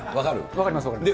分かります、分かります。